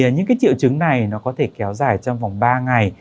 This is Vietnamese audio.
những triệu chứng này nó có thể kéo dài trong vòng ba ngày